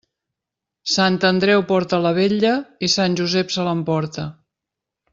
Sant Andreu porta la vetlla i Sant Josep se l'emporta.